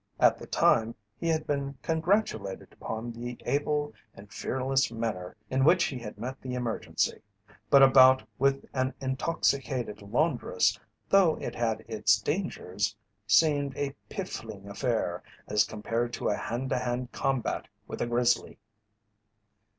At the time he had been congratulated upon the able and fearless manner in which he had met the emergency, but a bout with an intoxicated laundress, though it had its dangers, seemed a piffling affair as compared to a hand to hand combat with a grizzly.